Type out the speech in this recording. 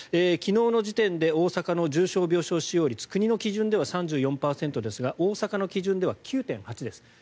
昨日の時点で大阪の重症病床使用率国の基準では３４％ですが大阪の基準では９．８％です。